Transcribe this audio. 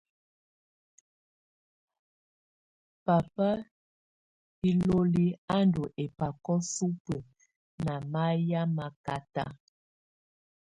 Pápá iloli á ndɔ́ ɛmbakɔ̀ supǝ́ ná mayɛ̀á makata.